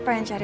hei cik karim